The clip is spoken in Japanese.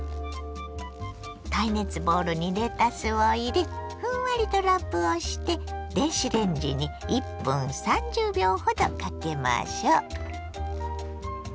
耐熱ボウルにレタスを入れふんわりとラップをして電子レンジに１分３０秒ほどかけましょ。